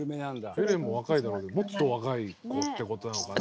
ヘレンも若いだろうにもっと若い子って事なのかな？